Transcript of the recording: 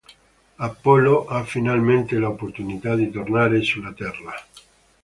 Apollo ha finalmente l'opportunità di tornare sulla Terra.